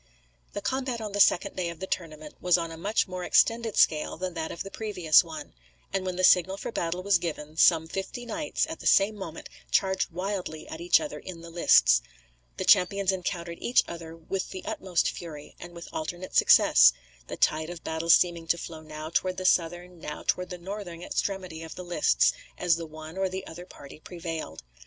The combat on the second day of the tournament was on a much more extended scale than that of the previous one; and when the signal for battle was given some fifty knights, at the same moment, charged wildly at each other in the lists. The champions encountered each other with the utmost fury, and with alternate success; the tide of battle seeming to flow now toward the southern, now toward the northern extremity of the lists as the one or the other party prevailed.